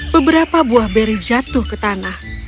beberapa buah beri jatuh ke tanah